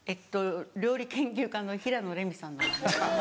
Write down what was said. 料理研究家の平野レミさんの。